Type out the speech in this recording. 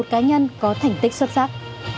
một mươi một cá nhân có thành tích xuất sắc